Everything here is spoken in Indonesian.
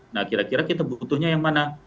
nah kira kira kita butuhnya yang mana